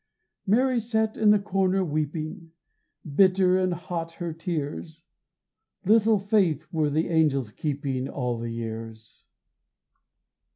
Mary sat in the corner weeping, Bitter and hot her tears Little faith were the angels keeping All the years.